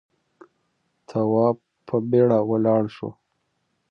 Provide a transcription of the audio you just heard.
تواب په بيړه ولاړ شو.